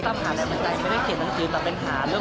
ตามหาแรงบันดาลไม่ได้เขียนทั้งคืน